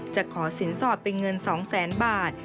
จะขอสินสอดเป็นเงิน๒แสนบาท